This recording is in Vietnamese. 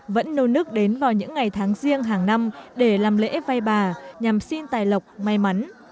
vẫn nô nức đến vào những ngày tháng riêng hàng năm để làm lễ vay bà nhằm xin tài lọc may mắn